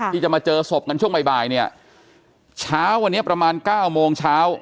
ที่จะมาเจอศพกันช่วงบ่ายเนี่ยเช้าวันนี้ประมาณเก้าโมงเช้า